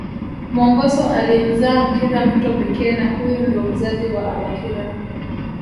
Mongoso alimzaa Mkira mtoto pekee na huyu ndo mzazi wa abakira